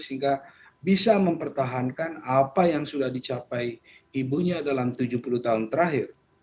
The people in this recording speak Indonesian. sehingga bisa mempertahankan apa yang sudah dicapai ibunya dalam tujuh puluh tahun terakhir